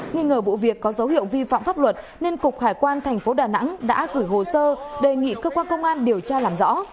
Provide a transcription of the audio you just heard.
nghi ngờ vụ việc có dấu hiệu vi phạm pháp luật nên cục hải quan tp đà nẵng đã gửi hồ sơ đề nghị cơ quan công an điều tra làm rõ